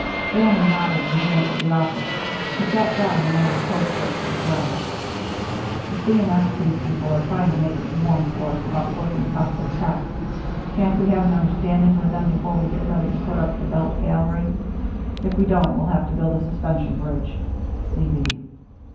Bannon nodded and reëntered the office. He sat down and added a postscript to his letter: The C. & S. C. people are trying to make it warm for us about working across their tracks. Can't we have an understanding with them before we get ready to put up the belt gallery? If we don't, we'll have to build a suspension bridge. C. B.